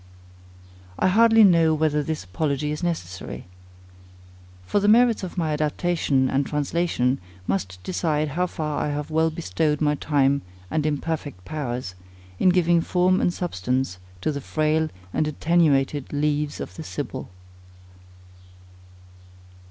I hardly know whether this apology is necessary. For the merits of my adaptation and translation must decide how far I have well bestowed my time and imperfect powers, in giving form and substance to the frail and attenuated Leaves of the Sibyl.